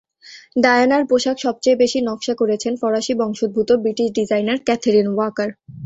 ডায়ানার পোশাক সবচেয়ে বেশি নকশা করেছেন ফরাসি বংশোদ্ভূত ব্রিটিশ ডিজাইনার ক্যাথেরিন ওয়াকার।